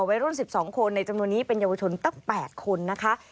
ไว้ร่วม๑๒คนในจำนวนนี้เป็นเยาวชนเต้า๘คนนะคะ